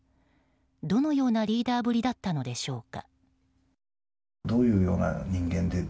どのようなリーダーぶりだったのでしょうか。